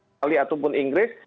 australia ataupun inggris